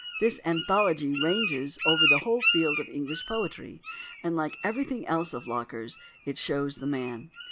This anthology ranges over the whole field of English poetry, and, like everything else of Locker's, it shows the man.